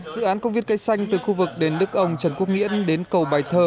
dự án công viên cây xanh từ khu vực đền đức ông trần quốc nghĩễn đến cầu bài thơ